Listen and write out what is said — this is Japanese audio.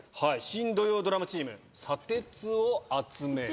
「新土曜ドラマチーム」砂鉄を集める。